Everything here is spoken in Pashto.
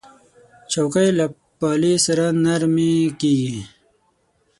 چوکۍ له پالې سره نرمې کېږي.